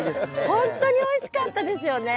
ほんとにおいしかったですよね！